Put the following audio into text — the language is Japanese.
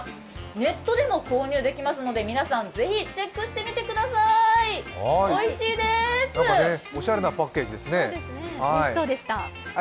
ネットでも購入できますので、皆さんぜひチェックしてみてください、おしゃれなパッケージですね。